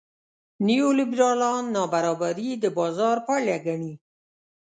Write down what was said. نیولېبرالان نابرابري د بازار پایله ګڼي.